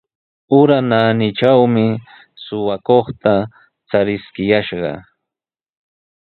Ura naanitrawmi suqakuqta chariskiyashqa.